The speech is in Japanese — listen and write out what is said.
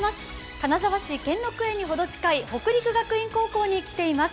金沢市兼六園にほど近い北陸学院高校に来ています。